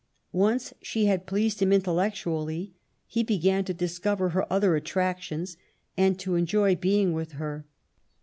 Once she had pleased him intellectually, he began to discover her other attractions, and to enjoy being with her.